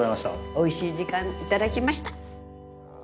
おいしい時間、いただきました。